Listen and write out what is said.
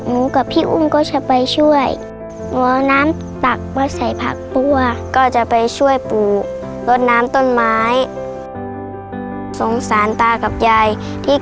หนูชื่อเกดเป็นร้านของยายดีกับตากับพัยดี